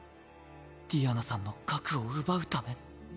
ディアナさんの核を奪うため。